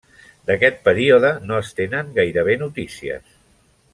D'aquest període no es tenen gairebé notícies.